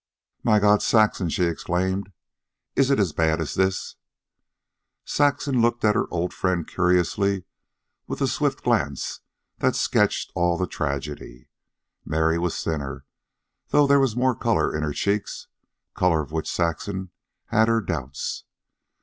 "My God, Saxon!" she exclaimed. "Is it as bad as this?" Saxon looked at her old friend curiously, with a swift glance that sketched all the tragedy. Mary was thinner, though there was more color in her cheeks color of which Saxon had her doubts.